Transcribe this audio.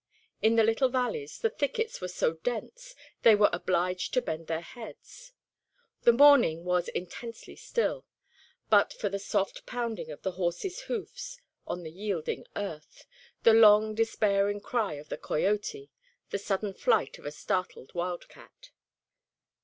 In the little valleys, the thickets were so dense they were obliged to bend their heads. The morning was intensely still, but for the soft pounding of the horses' hoofs on the yielding earth, the long despairing cry of the coyote, the sudden flight of a startled wild cat.